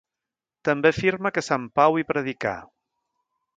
També afirma que Sant Pau hi predicà.